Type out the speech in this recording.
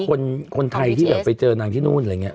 คนไทยที่แบบไปเจอนางที่นู่นอะไรอย่างนี้